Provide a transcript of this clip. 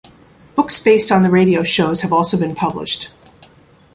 Books based on the radio shows have also been published.